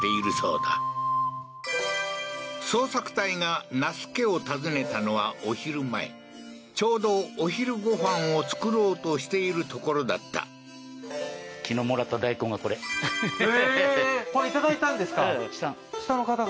捜索隊が那須家を訪ねたのはお昼前ちょうどお昼ご飯を作ろうとしているところだったへえーこれいただいたんですか？